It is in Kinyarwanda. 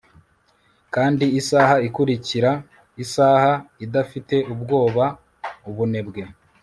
Kandi isaha ikurikira isaha idafite ubwoba ubunebwe